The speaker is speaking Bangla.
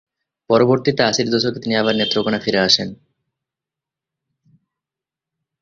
পরবর্তীতে আশির দশকে তিনি আবার নেত্রকোণা ফিরে আসেন।